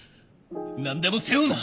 何でも背負うな！